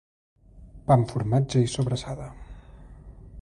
Pa amb formatge i sobrassada